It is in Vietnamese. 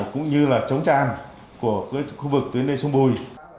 cũng như là chống tràn của khu vực tuyến đê sông bùi